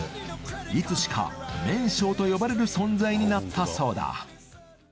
いつしか麺匠と呼ばれる存在になったそうだ